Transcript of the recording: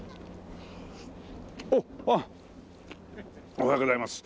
おはようございます。